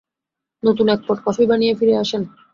নতুন এক pot coffee বানিয়ে ফিরে আসেন।